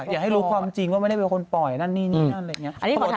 อยากให้รู้ความจริงว่าไม่ได้เป็นคนปล่อยนั่นนี่นั่นอะไรอย่างนี้